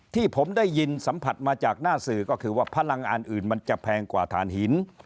ที่ผมได้ยินสัมผัสมาจากหน้าสื่อก็คือว่าพลังอันอื่นมันจะแพงกว่าฐานหิน